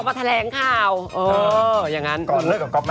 ค่ะรู้จักกันมาก่อน